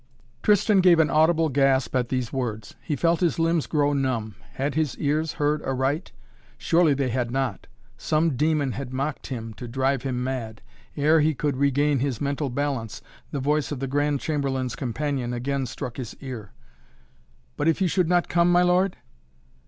Tristan gave an audible gasp at these words. He felt his limbs grow numb. Had his ears heard aright? Surely they had not. Some demon had mocked him, to drive him mad. Ere he could regain his mental balance, the voice of the Grand Chamberlain's companion again struck his ear. "But if you should not come, my lord?"